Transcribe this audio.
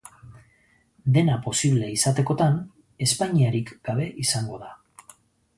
Dena posible izatekotan, Espainiarik gabe izango da.